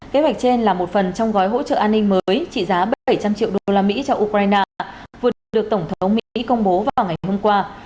kế hoạch trên là một phần trong gói hỗ trợ an ninh mới trị giá bảy trăm linh triệu đô la mỹ cho ukraine vừa được tổng thống mỹ công bố vào ngày hôm qua